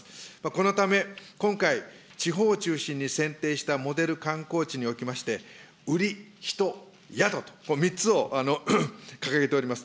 このため、今回、地方を中心に選定したモデル観光地におきまして、売り、人、宿と、３つを掲げております。